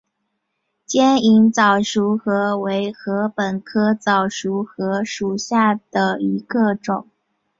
尖颖早熟禾为禾本科早熟禾属下的一个种。